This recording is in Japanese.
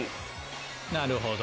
なるほど。